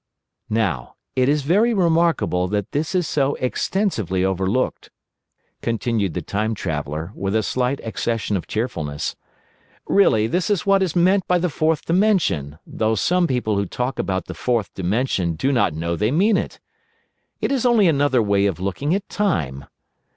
"Now, it is very remarkable that this is so extensively overlooked," continued the Time Traveller, with a slight accession of cheerfulness. "Really this is what is meant by the Fourth Dimension, though some people who talk about the Fourth Dimension do not know they mean it. It is only another way of looking at Time.